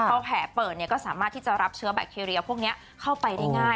พอแผลเปิดก็สามารถที่จะรับเชื้อแบคทีเรียพวกนี้เข้าไปได้ง่าย